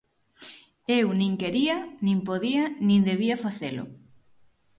Eu nin quería, nin podía nin debía facelo.